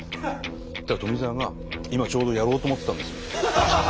そしたら富澤が「今ちょうどやろうと思ってたんです」。